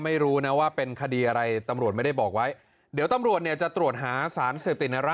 มันแทงข้างล่างขึ้นไปครับผมอ๋อมันแทงจากใต้ถุนเนี่ยเหรอ